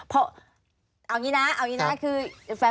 เอาอย่างนี้นะ